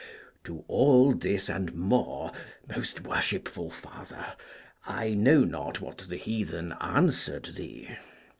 To all this and more, most worshipful Father, I know not what the heathen answered thee.